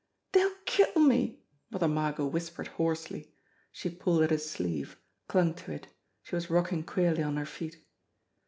"Dey'll kill me !" Mother Margot whispered hoarsely. She pulled at his sleeve, clung to it; she was rocking queerly on her feet.